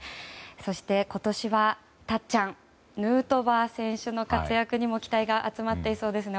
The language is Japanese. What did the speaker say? そして今年は、たっちゃんヌートバー選手の活躍にも期待が集まってそうですね。